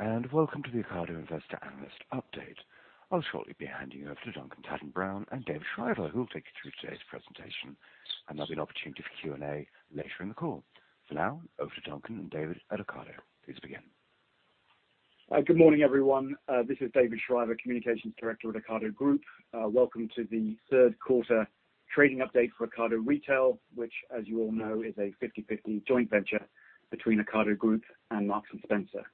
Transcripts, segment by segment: Hello, and welcome to the Ocado Investor Analyst Update. I'll shortly be handing you over to Duncan Tatton Brown and David Shriver, who will take you through today's presentation, and there'll be an opportunity for Q&A later in the call. For now, over to Duncan and David at Ocado. Please begin. Good morning, everyone. This is David Shriver, Communications Director at Ocado Group. Welcome to the third-quarter trading update for Ocado Retail, which, as you all know, is a 50/50 joint venture between Ocado Group and Marks & Spencer.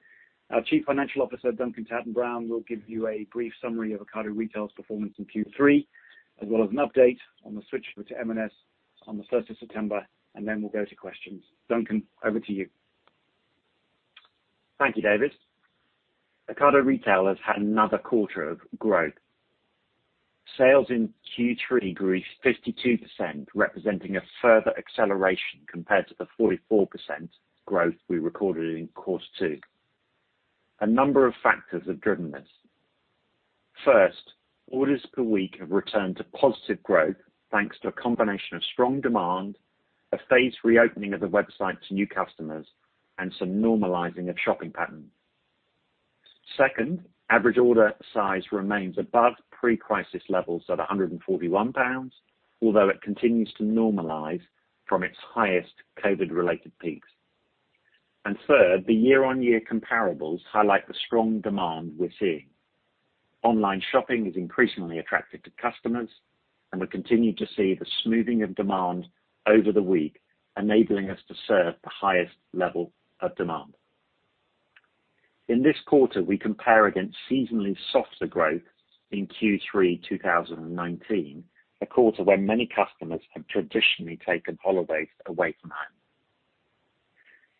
Our Chief Financial Officer, Duncan Tatton Brown, will give you a brief summary of Ocado Retail's performance in Q3, as well as an update on the switch to M&S on the 1st of September, and then we'll go to questions. Duncan, over to you. Thank you, David. Ocado Retail has had another quarter of growth. Sales in Q3 grew 52%, representing a further acceleration compared to the 44% growth we recorded in Q2. A number of factors have driven this. First, orders per week have returned to positive growth thanks to a combination of strong demand, a phased reopening of the website to new customers, and some normalizing of shopping patterns. Second, average order size remains above pre-crisis levels at 141 pounds, although it continues to normalize from its highest COVID-related peaks. Third, the year-on-year comparables highlight the strong demand we're seeing. Online shopping is increasingly attractive to customers, and we continue to see the smoothing of demand over the week, enabling us to serve the highest level of demand. In this quarter, we compare against seasonally softer growth in Q3 2019, a quarter when many customers have traditionally taken holidays away from home.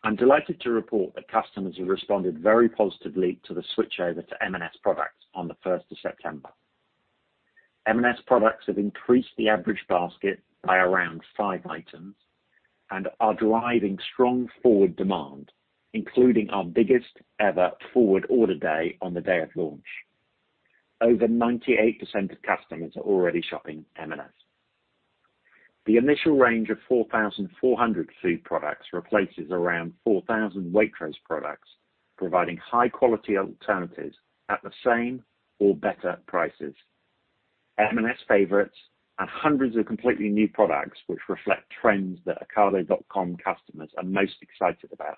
I'm delighted to report that customers have responded very positively to the switchover to M&S products on the 1st of September. M&S products have increased the average basket by around five items and are driving strong forward demand, including our biggest ever forward order day on the day of launch. Over 98% of customers are already shopping M&S. The initial range of 4,400 food products replaces around 4,000 Waitrose products, providing high-quality alternatives at the same or better prices. M&S favorites and hundreds of completely new products, which reflect trends that Ocado.com customers are most excited about,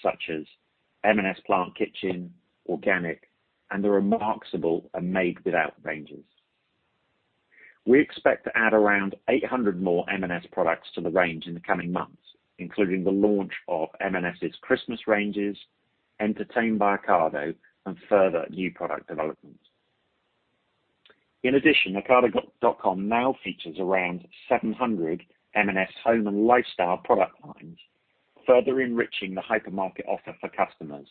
such as M&S Plant Kitchen, M&S Organic, and the remarkable Made Without Range. We expect to add around 800 more M&S products to the range in the coming months, including the launch of M&S's Christmas ranges, entertained by Ocado, and further new product developments. In addition, Ocado.com now features around 700 M&S home and lifestyle product lines, further enriching the hypermarket offer for customers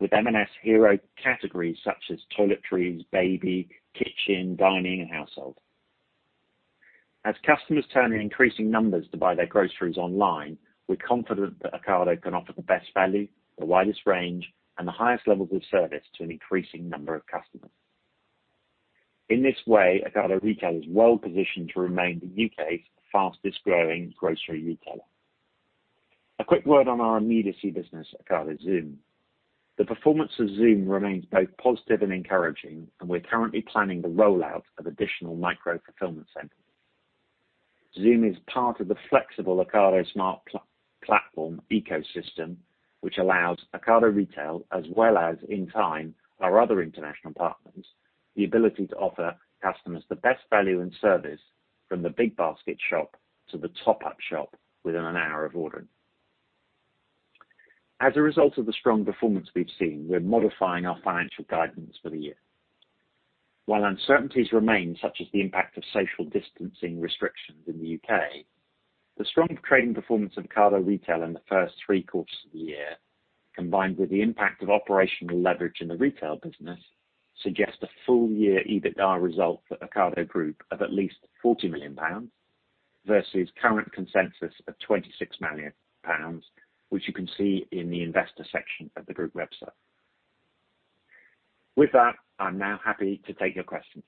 with M&S hero categories such as toiletries, baby, kitchen, dining, and household. As customers turn in increasing numbers to buy their groceries online, we're confident that Ocado can offer the best value, the widest range, and the highest levels of service to an increasing number of customers. In this way, Ocado Retail is well positioned to remain the U.K.'s fastest-growing grocery retailer. A quick word on our immediacy business, Ocado Zoom. The performance of Zoom remains both positive and encouraging, and we're currently planning the rollout of additional micro fulfillment centers. Zoom is part of the flexible Ocado Smart Platform ecosystem, which allows Ocado Retail, as well as, in time, our other international partners, the ability to offer customers the best value and service from the big basket shop to the top-up shop within an hour of ordering. As a result of the strong performance we've seen, we're modifying our financial guidance for the year. While uncertainties remain, such as the impact of social distancing restrictions in the U.K., the strong trading performance of Ocado Retail in the first three quarters of the year, combined with the impact of operational leverage in the retail business, suggests a full-year EBITDA result for Ocado Group of at least 40 million pounds versus current consensus of 26 million pounds, which you can see in the investor section of the group website. With that, I'm now happy to take your questions.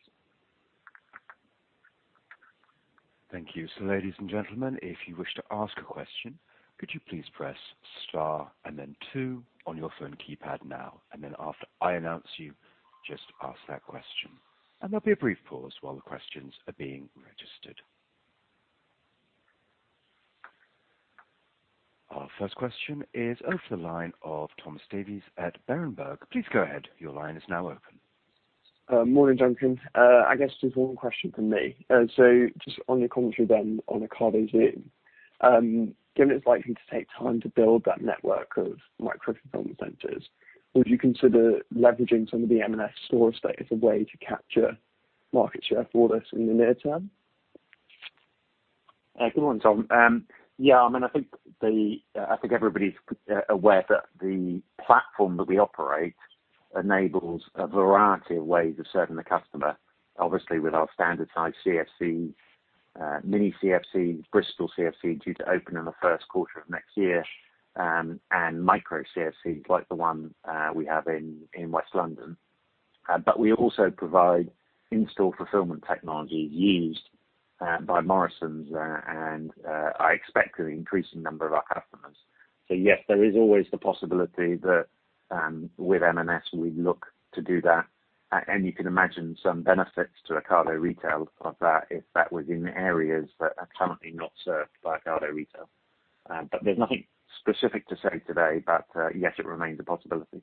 Thank you. Ladies and gentlemen, if you wish to ask a question, could you please press star and then two on your phone keypad now, and after I announce you, just ask that question. There will be a brief pause while the questions are being registered. Our first question is over the line of Thomas Davies at Berenberg. Please go ahead. Your line is now open. Morning, Duncan. I guess just one question from me. Just on your commentary then on Ocado Zoom, given it's likely to take time to build that network of micro fulfillment centers, would you consider leveraging some of the M&S store space as a way to capture market share for this in the near term? Good morning, Tom. Yeah, I mean, I think everybody's aware that the platform that we operate enables a variety of ways of serving the customer, obviously with our standard-sized CFCs, mini CFCs, Bristol CFCs due to open in the first quarter of next year, and micro CFCs like the one we have in West London. We also provide in-store fulfillment technologies used by Morrisons and, I expect, an increasing number of our customers. Yes, there is always the possibility that with M&S we'd look to do that, and you can imagine some benefits to Ocado Retail of that if that was in areas that are currently not served by Ocado Retail. There's nothing specific to say today, but yes, it remains a possibility.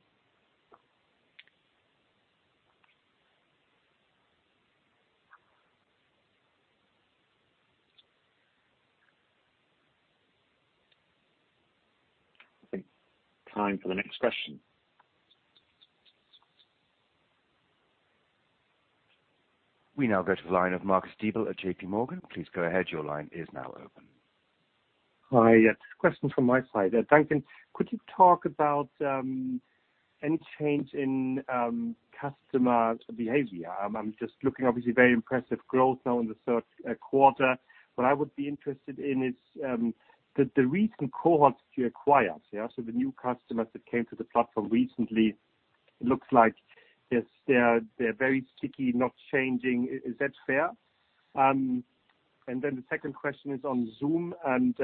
I think time for the next question. We now go to the line of Marcus Diebel at JP Morgan. Please go ahead. Your line is now open. Hi, yes. Question from my side. Duncan, could you talk about any change in customer behavior? I'm just looking, obviously, very impressive growth now in the third quarter. What I would be interested in is the recent cohorts that you acquired, yeah? So the new customers that came to the platform recently, it looks like they're very sticky, not changing. Is that fair? The second question is on Zoom and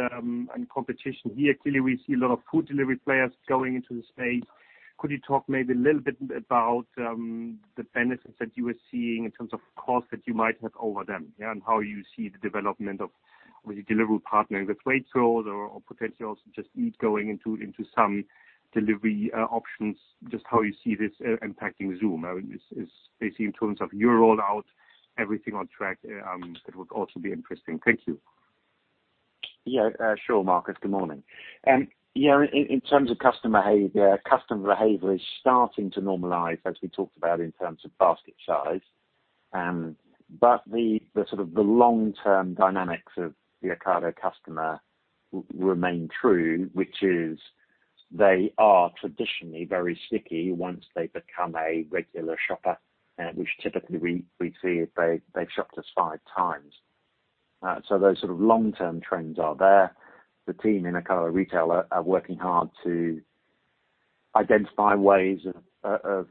competition here. Clearly, we see a lot of food delivery players going into the space. Could you talk maybe a little bit about the benefits that you were seeing in terms of cost that you might have over them, yeah, and how you see the development of, obviously, delivery partnering with Waitrose or potentially also Just Eat going into some delivery options? Just how you see this impacting Zoom, I mean, is basically in terms of your rollout, everything on track? That would also be interesting. Thank you. Yeah, sure, Marcus. Good morning. In terms of customer behavior, customer behavior is starting to normalize, as we talked about, in terms of basket size. The sort of long-term dynamics of the Ocado customer remain true, which is they are traditionally very sticky once they become a regular shopper, which typically we see if they've shopped us five times. Those sort of long-term trends are there. The team in Ocado Retail are working hard to identify ways of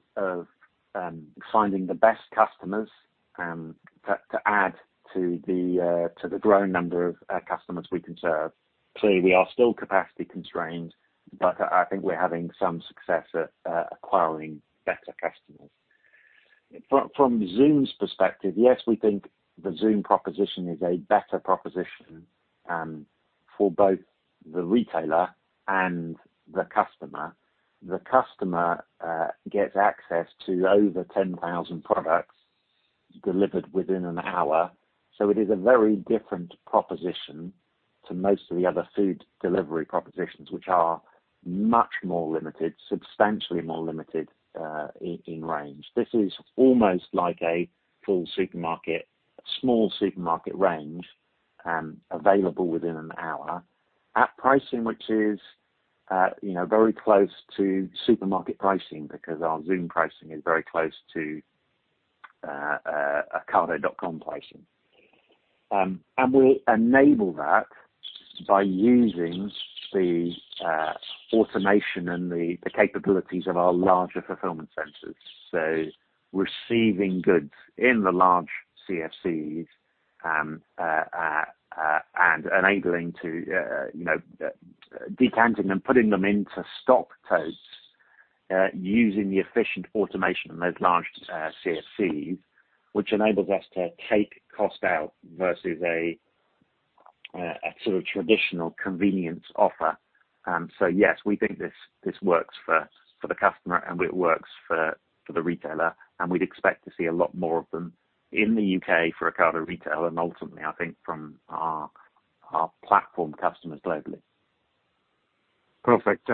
finding the best customers to add to the growing number of customers we can serve. Clearly, we are still capacity constrained, but I think we're having some success at acquiring better customers. From Zoom's perspective, yes, we think the Zoom proposition is a better proposition for both the retailer and the customer. The customer gets access to over 10,000 products delivered within an hour. It is a very different proposition to most of the other food delivery propositions, which are much more limited, substantially more limited in range. This is almost like a small supermarket range available within an hour at pricing which is very close to supermarket pricing because our Zoom pricing is very close to Ocado.com pricing. We enable that by using the automation and the capabilities of our larger fulfillment centers. Receiving goods in the large CFCs and enabling decanting them, putting them into stock totes, using the efficient automation in those large CFCs enables us to take cost out versus a sort of traditional convenience offer. Yes, we think this works for the customer, and it works for the retailer, and we'd expect to see a lot more of them in the U.K. for Ocado Retail, and ultimately, I think, from our platform customers globally. Perfect.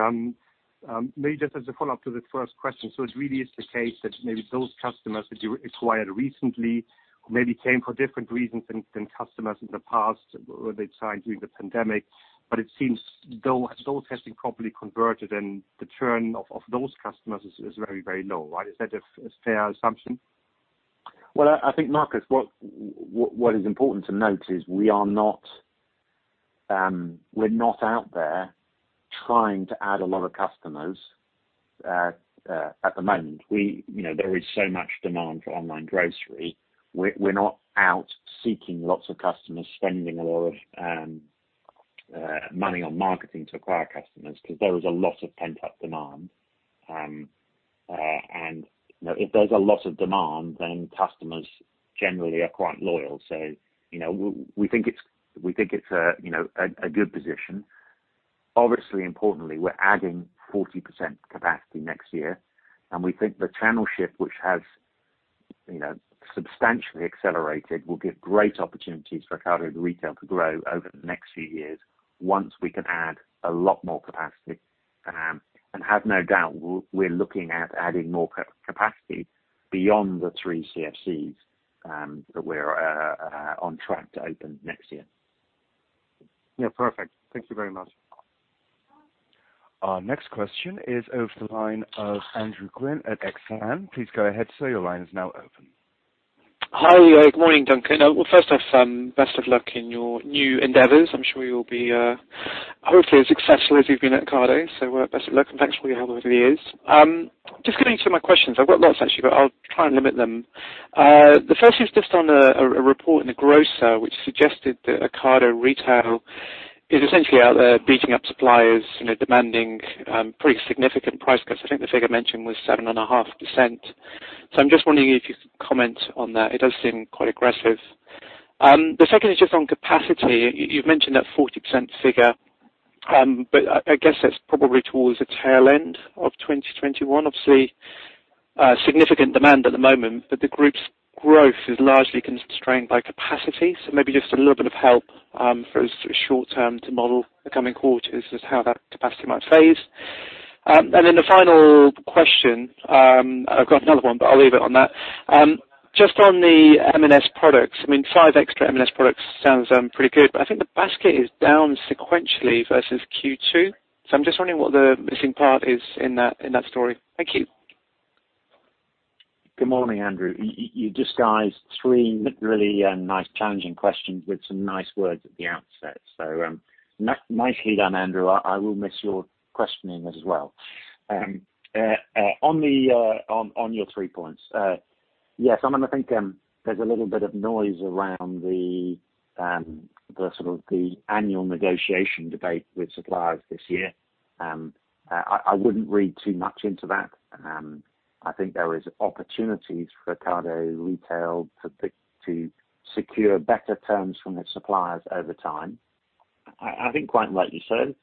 Maybe just as a follow-up to the first question, it really is the case that maybe those customers that you acquired recently maybe came for different reasons than customers in the past when they signed during the pandemic, but it seems those have been properly converted, and the churn of those customers is very, very low, right? Is that a fair assumption? I think, Marcus, what is important to note is we're not out there trying to add a lot of customers at the moment. There is so much demand for online grocery. We're not out seeking lots of customers, spending a lot of money on marketing to acquire customers because there is a lot of pent-up demand. If there's a lot of demand, then customers generally are quite loyal. We think it's a good position. Importantly, we're adding 40% capacity next year, and we think the channel shift, which has substantially accelerated, will give great opportunities for Ocado Retail to grow over the next few years once we can add a lot more capacity. I have no doubt we're looking at adding more capacity beyond the three CFCs that we're on track to open next year. Yeah, perfect. Thank you very much. Our next question is over the line of Andrew Glynn at Exane. Please go ahead. Your line is now open. Hi. Good morning, Duncan. First off, best of luck in your new endeavors. I'm sure you'll be hopefully as successful as you've been at Ocado. Best of luck, and thanks for your help over the years. Just getting to my questions. I've got lots, actually, but I'll try and limit them. The first is just on a report in the Grocer, which suggested that Ocado Retail is essentially out there beating up suppliers, demanding pretty significant price cuts. I think the figure mentioned was 7.5%. I'm just wondering if you could comment on that. It does seem quite aggressive. The second is just on capacity. You've mentioned that 40% figure, but I guess that's probably towards the tail end of 2021. Obviously, significant demand at the moment, but the group's growth is largely constrained by capacity. Maybe just a little bit of help for a short term to model the coming quarters as how that capacity might phase. The final question—I've got another one, but I'll leave it on that. Just on the M&S products, I mean, five extra M&S products sounds pretty good, but I think the basket is down sequentially versus Q2. I'm just wondering what the missing part is in that story. Thank you. Good morning, Andrew. You disguised three really nice, challenging questions with some nice words at the outset. Nicely done, Andrew. I will miss your questioning as well. On your three points, yes, I mean, I think there's a little bit of noise around the sort of the annual negotiation debate with suppliers this year. I wouldn't read too much into that. I think there are opportunities for Ocado Retail to secure better terms from its suppliers over time. I think quite rightly so.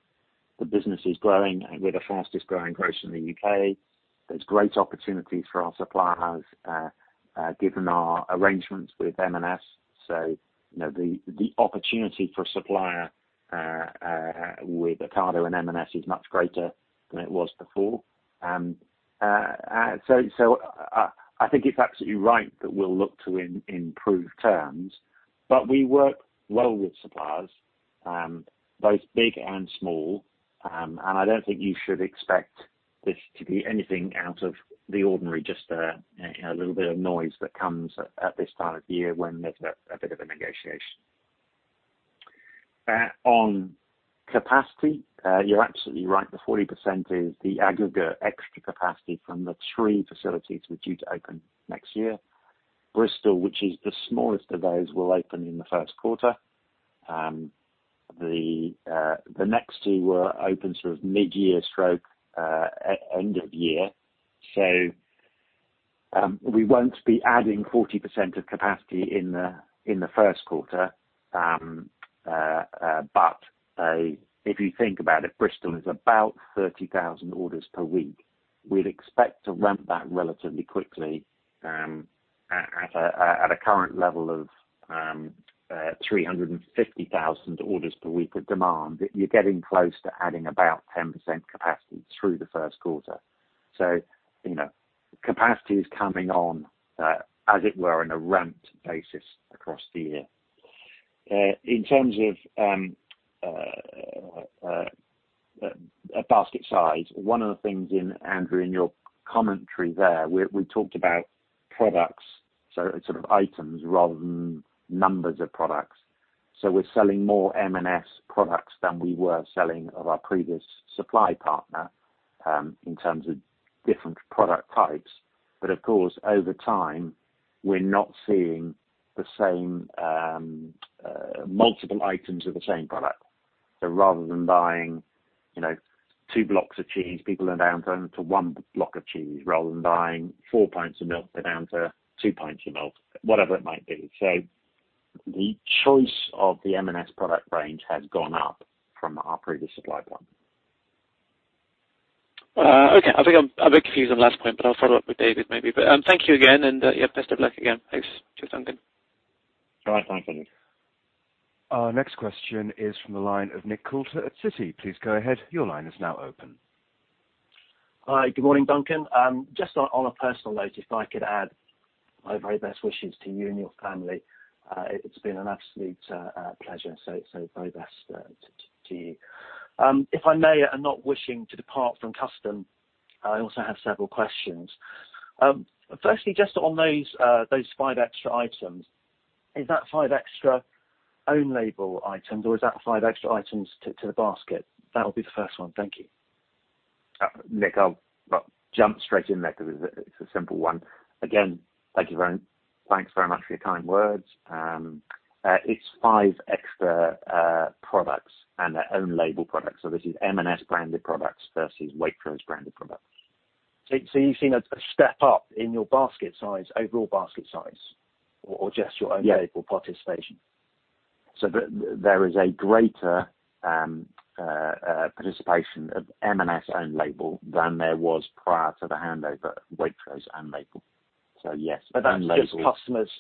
The business is growing. We're the fastest-growing grocery in the U.K. There's great opportunities for our suppliers given our arrangements with M&S. The opportunity for a supplier with Ocado and M&S is much greater than it was before. I think it's absolutely right that we'll look to improve terms, but we work well with suppliers, both big and small. I don't think you should expect this to be anything out of the ordinary, just a little bit of noise that comes at this time of year when there's a bit of a negotiation. On capacity, you're absolutely right. The 40% is the aggregate extra capacity from the three facilities we're due to open next year. Bristol, which is the smallest of those, will open in the first quarter. The next two will open sort of mid-year, stroke, end of year. We won't be adding 40% of capacity in the first quarter, but if you think about it, Bristol is about 30,000 orders per week. We'd expect to ramp that relatively quickly at a current level of 350,000 orders per week of demand. You're getting close to adding about 10% capacity through the first quarter. Capacity is coming on, as it were, on a ramped basis across the year. In terms of a basket size, one of the things, Andrew, in your commentary there, we talked about products, so sort of items rather than numbers of products. We are selling more M&S products than we were selling of our previous supply partner in terms of different product types. Of course, over time, we are not seeing the same multiple items of the same product. Rather than buying two blocks of cheese, people are down to one block of cheese. Rather than buying four pints of milk, they are down to two pints of milk, whatever it might be. The choice of the M&S product range has gone up from our previous supply partner. Okay. I think I'm a bit confused on the last point, but I'll follow up with David maybe. Thank you again, and yeah, best of luck again. Thanks to you, Duncan. All right. Thanks, Andrew. Our next question is from the line of Nick Coulter at Citi. Please go ahead. Your line is now open. Hi. Good morning, Duncan. Just on a personal note, if I could add my very best wishes to you and your family. It's been an absolute pleasure, so very best to you. If I may, I'm not wishing to depart from custom. I also have several questions. Firstly, just on those five extra items, is that five extra own-label items, or is that five extra items to the basket? That would be the first one. Thank you. Nick, I'll jump straight in there because it's a simple one. Again, thanks very much for your kind words. It's five extra products and their own-label products. This is M&S-branded products versus Waitrose-branded products. Have you seen a step up in your basket size, overall basket size, or just your own-label participation? Yeah. There is a greater participation of M&S own-label than there was prior to the handover of Waitrose own-label. Yes, own-label. That is just customers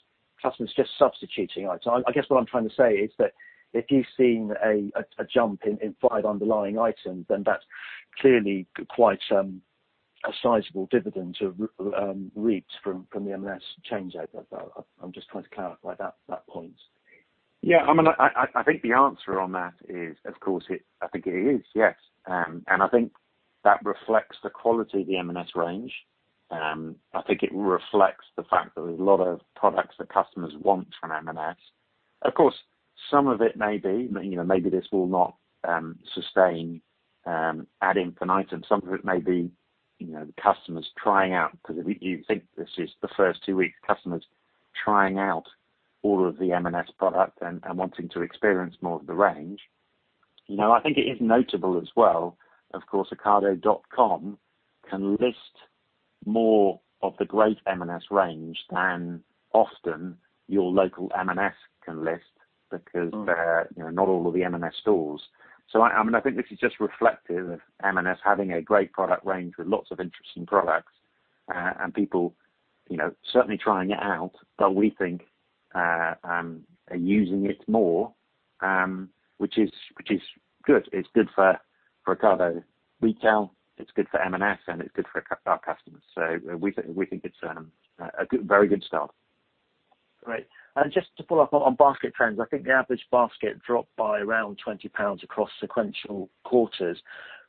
just substituting, right? I guess what I'm trying to say is that if you've seen a jump in five underlying items, then that is clearly quite a sizable dividend to reap from the M&S changeover. I'm just trying to clarify that point. Yeah. I mean, I think the answer on that is, of course, I think it is, yes. I think that reflects the quality of the M&S range. I think it reflects the fact that there's a lot of products that customers want from M&S. Of course, some of it may be; maybe this will not sustain adding for an item. Some of it may be customers trying out because you think this is the first two weeks, customers trying out all of the M&S product and wanting to experience more of the range. I think it is notable as well, of course, Ocado.com can list more of the great M&S range than often your local M&S can list because they're not all of the M&S stores. I mean, I think this is just reflective of M&S having a great product range with lots of interesting products and people certainly trying it out, but we think are using it more, which is good. It's good for Ocado Retail. It's good for M&S, and it's good for our customers. We think it's a very good start. Great. Just to follow up on basket trends, I think the average basket dropped by around 20 pounds across sequential quarters.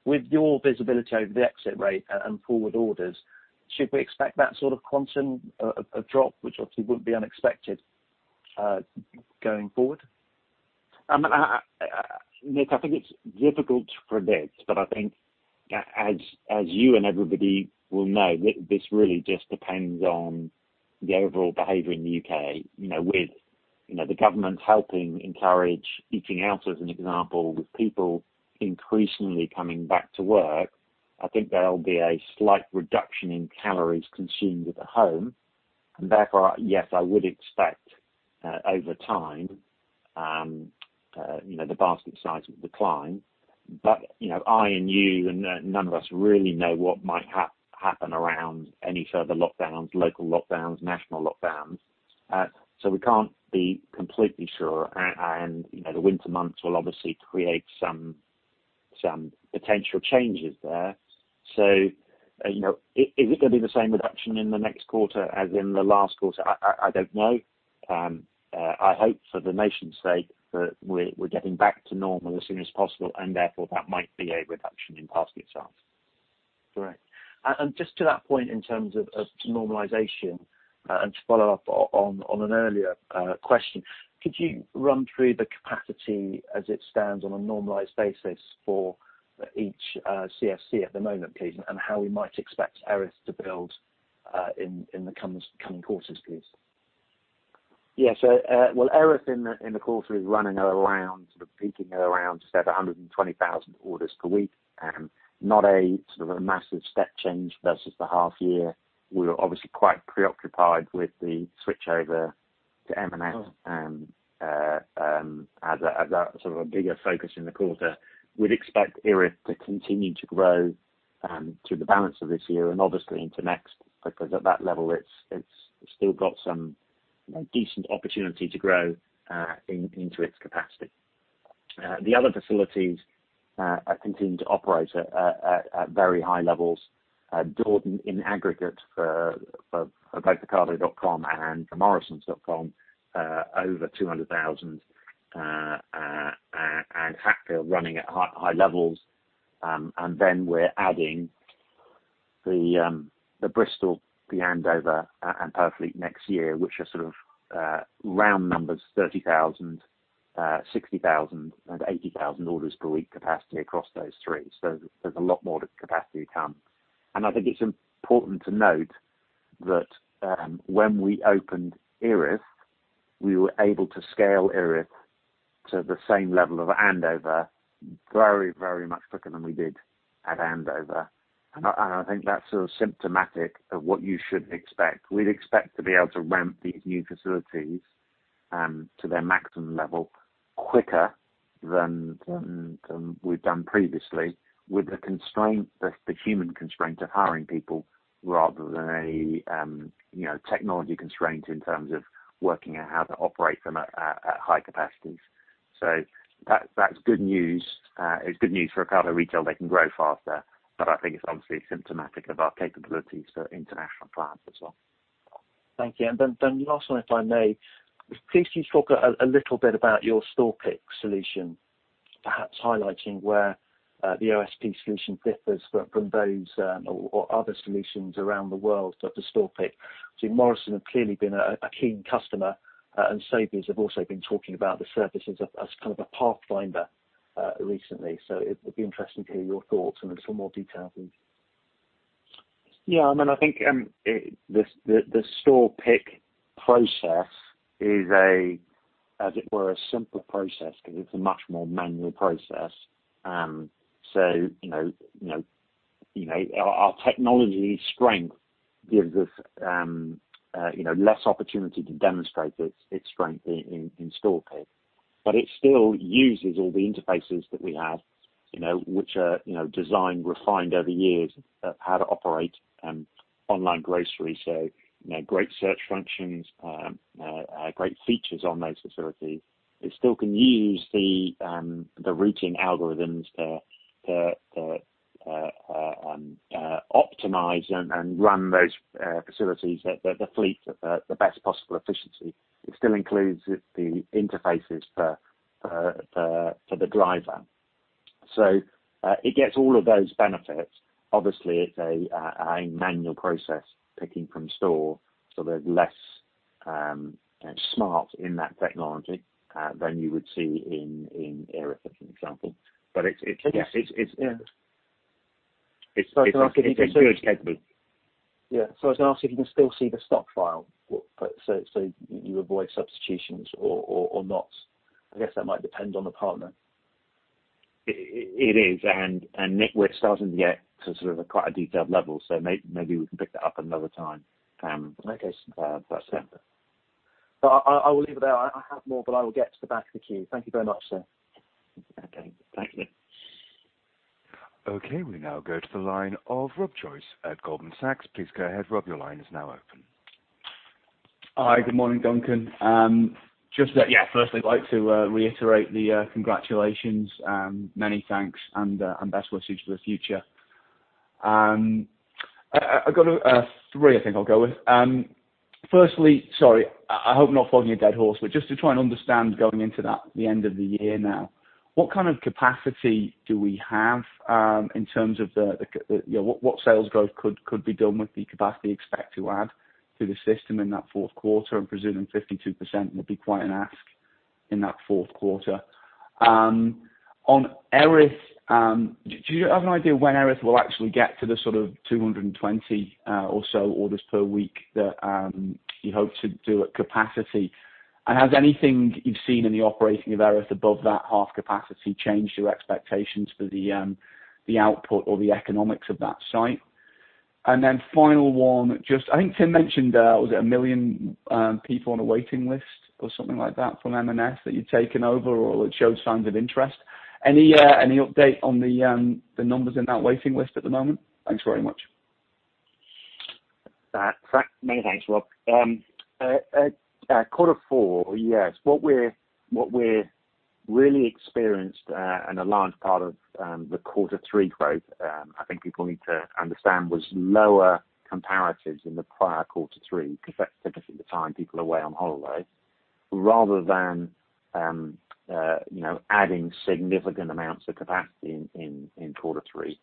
With your visibility over the exit rate and forward orders, should we expect that sort of quantum drop, which obviously would not be unexpected going forward? I mean, Nick, I think it's difficult to predict, but I think, as you and everybody will know, this really just depends on the overall behavior in the U.K. With the government helping encourage eating out, as an example, with people increasingly coming back to work, I think there'll be a slight reduction in calories consumed at home. Therefore, yes, I would expect over time the basket size will decline. I and you and none of us really know what might happen around any further lockdowns, local lockdowns, national lockdowns. We can't be completely sure. The winter months will obviously create some potential changes there. Is it going to be the same reduction in the next quarter as in the last quarter? I don't know. I hope for the nation's sake that we're getting back to normal as soon as possible, and therefore that might be a reduction in basket size. Great. Just to that point in terms of normalization, and to follow up on an earlier question, could you run through the capacity as it stands on a normalized basis for each CFC at the moment, please, and how we might expect Erith to build in the coming quarters, please? Yeah. Erith in the quarter is running around, sort of peaking at around just over 120,000 orders per week. Not a sort of a massive step change versus the half-year. We're obviously quite preoccupied with the switchover to M&S as a sort of a bigger focus in the quarter. We'd expect Erith to continue to grow through the balance of this year and obviously into next because at that level, it's still got some decent opportunity to grow into its capacity. The other facilities continue to operate at very high levels. Dordon, in aggregate, for both Ocado.com and Morrisons.com, over 200,000, and Hatfield running at high levels. We're adding the Bristol the handover and Perth week next year, which are sort of round numbers: 30,000, 60,000, and 80,000 orders per week capacity across those three. There's a lot more capacity to come. I think it's important to note that when we opened Erith, we were able to scale Erith to the same level of handover very, very much quicker than we did at handover. I think that's sort of symptomatic of what you should expect. We'd expect to be able to ramp these new facilities to their maximum level quicker than we've done previously with the human constraint of hiring people rather than a technology constraint in terms of working out how to operate them at high capacities. That's good news. It's good news for Ocado Retail. They can grow faster, but I think it's obviously symptomatic of our capabilities for international clients as well. Thank you. The last one, if I may, please do talk a little bit about your StorePick solution, perhaps highlighting where the OSP solution differs from those or other solutions around the world for StorePick. Morrisons have clearly been a key customer, and Sobeys have also been talking about the services as kind of a pathfinder recently. It would be interesting to hear your thoughts and a little more detail, please. Yeah. I mean, I think the StorePick process is, as it were, a simpler process because it's a much more manual process. Our technology strength gives us less opportunity to demonstrate its strength in StorePick. It still uses all the interfaces that we have, which are designed, refined over years of how to operate online grocery. Great search functions, great features on those facilities. It still can use the routing algorithms to optimize and run those facilities, the fleet at the best possible efficiency. It still includes the interfaces for the driver. It gets all of those benefits. Obviously, it's a manual process picking from store, so they're less smart in that technology than you would see in Erith, for example. It's good capability. Yeah. I was going to ask if you can still see the stock file, so you avoid substitutions or not. I guess that might depend on the partner. It is. Nick, we're starting to get to sort of quite a detailed level, so maybe we can pick that up another time. Okay. I will leave it there. I have more, but I will get to the back of the queue. Thank you very much, sir. Okay. Thanks, Nick. Okay. We now go to the line of Rob Joyce at Goldman Sachs. Please go ahead. Rob, your line is now open. Hi. Good morning, Duncan. Just, yeah, first, I'd like to reiterate the congratulations. Many thanks and best wishes for the future. I've got three, I think I'll go with. Firstly, sorry, I hope I'm not flogging a dead horse, but just to try and understand going into the end of the year now, what kind of capacity do we have in terms of what sales growth could be done with the capacity expected to add to the system in that fourth quarter? I'm presuming 52% would be quite an ask in that fourth quarter. On Erith, do you have an idea when Erith will actually get to the sort of 220 or so orders per week that you hope to do at capacity? And has anything you've seen in the operating of Erith above that half capacity changed your expectations for the output or the economics of that site? The final one, just I think Tim mentioned, was it a million people on a waiting list or something like that from M&S that you've taken over, or it showed signs of interest? Any update on the numbers in that waiting list at the moment? Thanks very much. Many thanks, Rob. Quarter four, yes. What we've really experienced and a large part of the quarter three growth, I think people need to understand, was lower comparatives in the prior quarter three because that's typically the time people are away on holiday, rather than adding significant amounts of capacity in quarter three.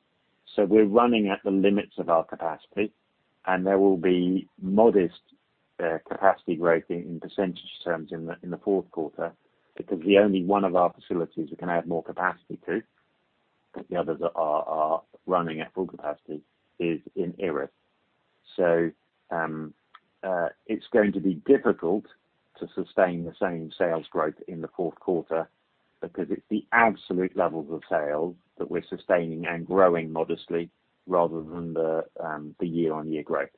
We are running at the limits of our capacity, and there will be modest capacity growth in percentage terms in the fourth quarter because the only one of our facilities we can add more capacity to, but the others are running at full capacity, is in Erith. It is going to be difficult to sustain the same sales growth in the fourth quarter because it is the absolute levels of sales that we are sustaining and growing modestly rather than the year-on-year growth.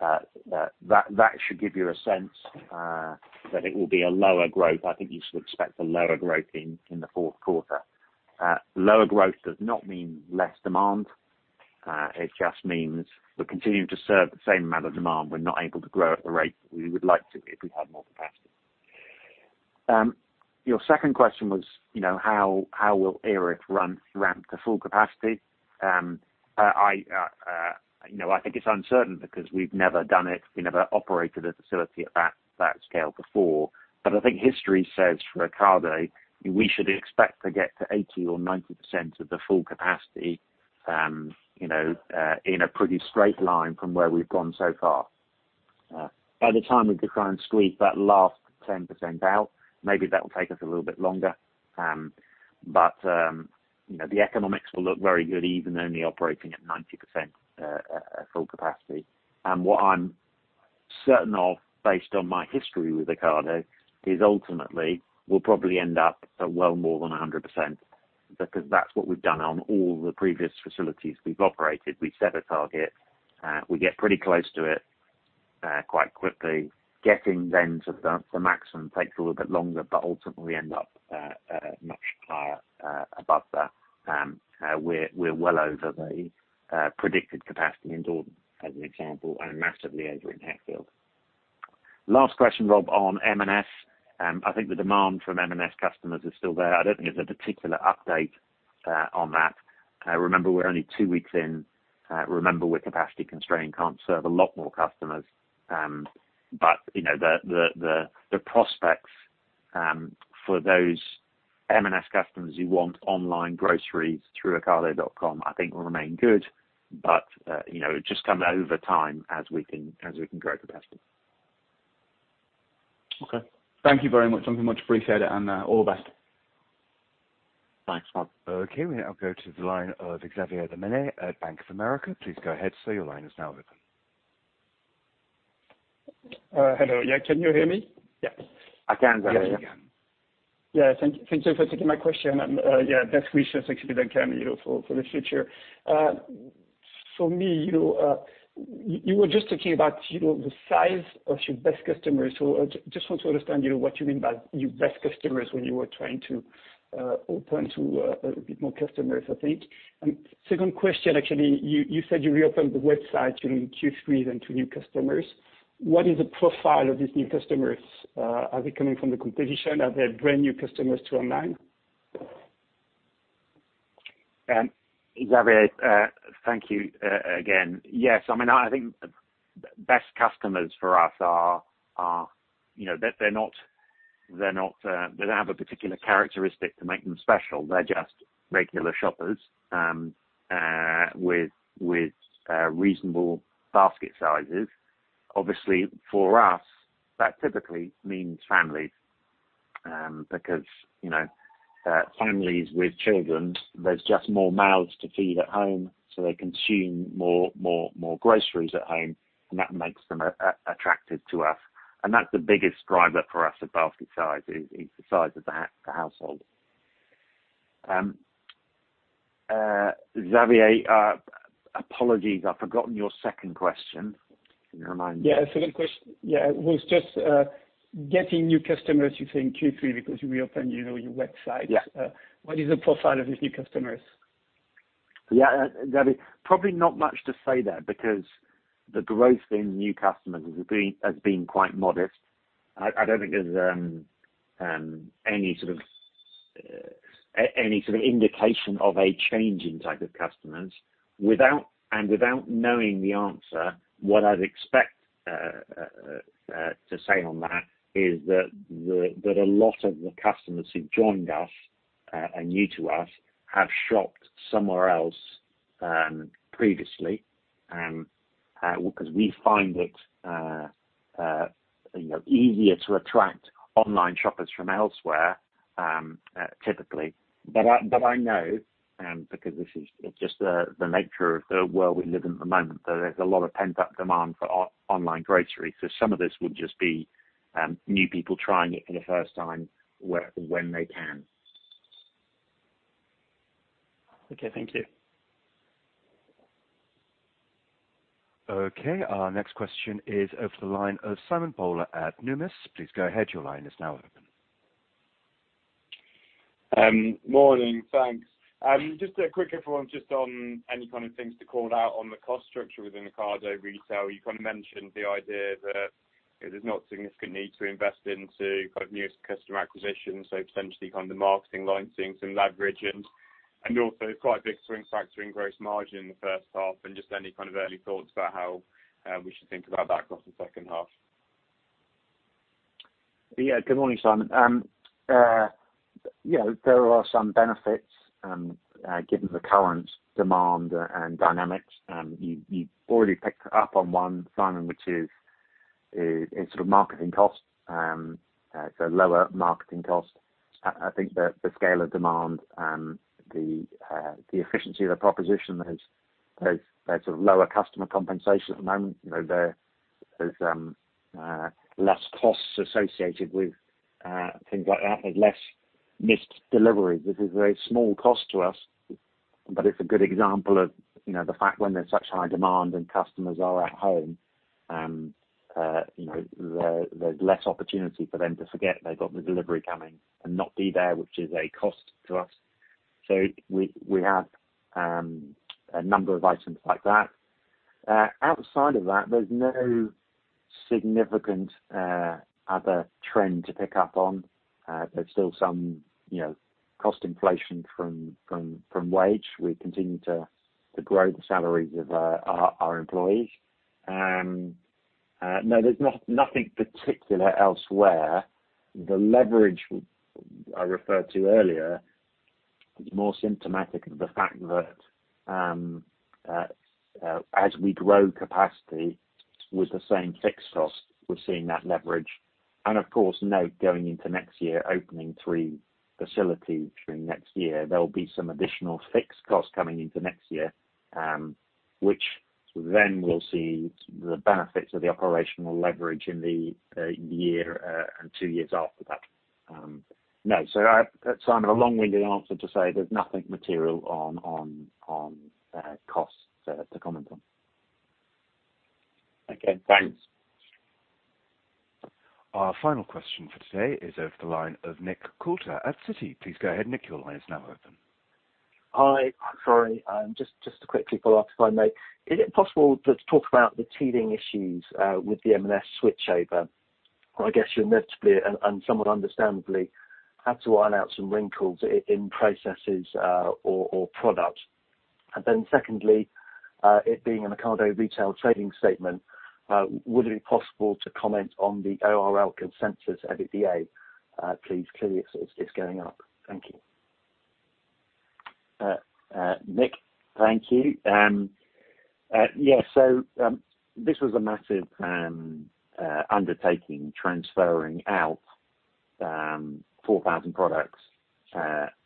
That should give you a sense that it will be a lower growth. I think you should expect a lower growth in the fourth quarter. Lower growth does not mean less demand. It just means we're continuing to serve the same amount of demand. We're not able to grow at the rate we would like to if we had more capacity. Your second question was, how will Erith ramp to full capacity? I think it's uncertain because we've never done it. We never operated a facility at that scale before. I think history says for Ocado, we should expect to get to 80% or 90% of the full capacity in a pretty straight line from where we've gone so far. By the time we could try and squeeze that last 10% out, maybe that will take us a little bit longer. The economics will look very good even then, operating at 90% full capacity. What I'm certain of, based on my history with Ocado, is ultimately we'll probably end up well more than 100% because that's what we've done on all the previous facilities we've operated. We set a target. We get pretty close to it quite quickly. Getting then to the maximum takes a little bit longer, but ultimately we end up much higher above that. We're well over the predicted capacity in Dordon, as an example, and massively over in Hatfield. Last question, Rob, on M&S. I think the demand from M&S customers is still there. I don't think there's a particular update on that. Remember, we're only two weeks in. Remember, we're capacity constrained, can't serve a lot more customers. The prospects for those M&S customers who want online groceries through Ocado.com, I think, will remain good; it just comes over time as we can grow capacity. Okay. Thank you very much. I much appreciate it, and all the best. Thanks, Rob. Okay. We now go to the line of Xavier Demaine at Bank of America. Please go ahead. Your line is now open. Hello. Yeah. Can you hear me? Yes. I can, Xavier. Yes, you can. Yeah. Thank you for taking my question. Yeah, best wishes, actually, Duncan, for the future. For me, you were just talking about the size of your best customers. I just want to understand what you mean by your best customers when you were trying to open to a bit more customers, I think. Second question, actually, you said you reopened the website in Q3 to new customers. What is the profile of these new customers? Are they coming from the competition? Are they brand new customers to online? Xavier, thank you again. Yes. I mean, I think best customers for us are they do not have a particular characteristic to make them special. They are just regular shoppers with reasonable basket sizes. Obviously, for us, that typically means families because families with children, there are just more mouths to feed at home, so they consume more groceries at home, and that makes them attractive to us. That is the biggest driver for us of basket size, the size of the household. Xavier, apologies, I have forgotten your second question. Can you remind me? Yeah. Second question. Yeah. It was just getting new customers, you said in Q3 because you reopened your website. What is the profile of these new customers? Yeah. Probably not much to say there because the growth in new customers has been quite modest. I do not think there is any sort of indication of a change in type of customers. Without knowing the answer, what I would expect to say on that is that a lot of the customers who have joined us and new to us have shopped somewhere else previously because we find it easier to attract online shoppers from elsewhere, typically. I know, because this is just the nature of the world we live in at the moment, that there is a lot of pent-up demand for online groceries. Some of this would just be new people trying it for the first time when they can. Okay. Thank you. Okay. Our next question is over to the line of Simon Bowler at Numis. Please go ahead. Your line is now open. Morning. Thanks. Just a quick follow-up just on any kind of things to call out on the cost structure within Ocado Retail. You kind of mentioned the idea that there's not a significant need to invest into kind of new customer acquisition, so potentially kind of the marketing line seeing some leverage and also quite a big swing factor in gross margin in the first half. Just any kind of early thoughts about how we should think about that across the second half? Yeah. Good morning, Simon. Yeah. There are some benefits given the current demand and dynamics. You've already picked up on one, Simon, which is sort of marketing cost. It's a lower marketing cost. I think the scale of demand, the efficiency of the proposition, there's sort of lower customer compensation at the moment. There's less costs associated with things like that. There's less missed deliveries, which is a very small cost to us. It is a good example of the fact when there's such high demand and customers are at home, there's less opportunity for them to forget they've got the delivery coming and not be there, which is a cost to us. We have a number of items like that. Outside of that, there's no significant other trend to pick up on. There's still some cost inflation from wage. We continue to grow the salaries of our employees. No, there's nothing particular elsewhere. The leverage I referred to earlier is more symptomatic of the fact that as we grow capacity with the same fixed cost, we're seeing that leverage. Of course, note going into next year, opening three facilities during next year, there'll be some additional fixed cost coming into next year, which then we'll see the benefits of the operational leverage in the year and two years after that. No. Simon, a long-winded answer to say there's nothing material on cost to comment on. Okay. Thanks. Our final question for today is over to the line of Nick Coulter at Citi. Please go ahead, Nick. Your line is now open. Hi. Sorry. Just to quickly follow up, if I may, is it possible to talk about the teething issues with the M&S switchover? I guess you inevitably and somewhat understandably had to wind out some wrinkles in processes or product. Then secondly, it being an Ocado Retail trading statement, would it be possible to comment on the ORL consensus at ETA? Please. Clearly, it's going up. Thank you. Nick, thank you. Yeah. This was a massive undertaking, transferring out 4,000 products,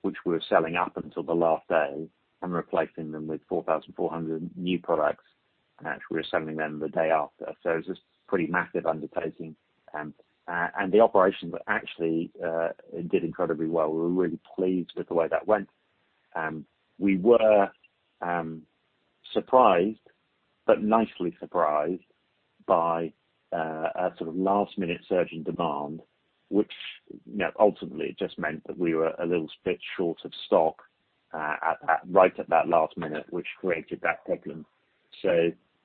which we were selling up until the last day, and replacing them with 4,400 new products that we were selling them the day after. It was a pretty massive undertaking. The operations actually did incredibly well. We were really pleased with the way that went. We were surprised, but nicely surprised, by a sort of last-minute surge in demand, which ultimately just meant that we were a little bit short of stock right at that last minute, which created that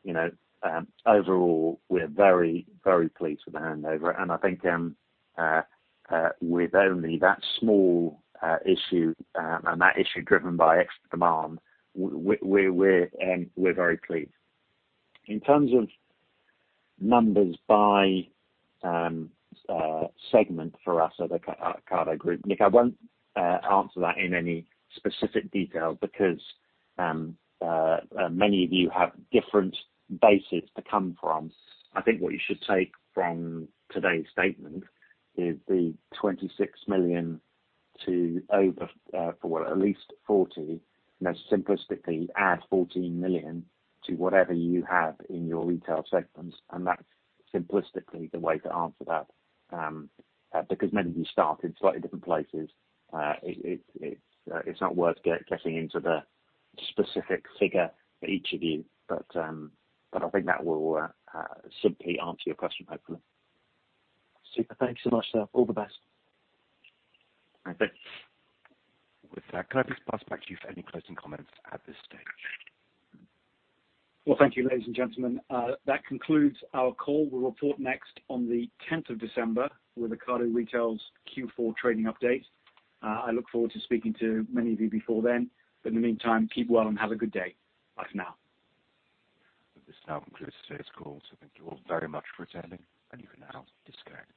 problem. Overall, we're very, very pleased with the handover. I think with only that small issue and that issue driven by extra demand, we're very pleased. In terms of numbers by segment for us at Ocado Group, Nick, I won't answer that in any specific detail because many of you have different bases to come from. I think what you should take from today's statement is the 26 million to over for at least 40 million, and then simplistically add 14 million to whatever you have in your retail segments. That's simplistically the way to answer that because many of you start in slightly different places. It's not worth getting into the specific figure for each of you. I think that will simply answer your question, hopefully. Super. Thanks so much, sir. All the best. Thank you. With that, can I just pass back to you for any closing comments at this stage? Thank you, ladies and gentlemen. That concludes our call. We will report next on the 10th of December with Ocado Retail's Q4 trading update. I look forward to speaking to many of you before then. In the meantime, keep well and have a good day. Bye for now. This now concludes today's call. Thank you all very much for attending, and you can now disconnect.